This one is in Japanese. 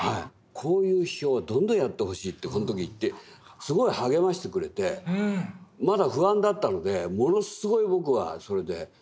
こういう批評はどんどんやってほしいってその時言ってすごい励ましてくれてまだ不安だったのでものすごい僕はそれで励まされたんですよ。